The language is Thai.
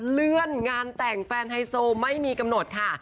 เลื่อนงานแต่งแฟนไฮโซไม่มีกำหนดค่ะ